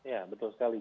ya betul sekali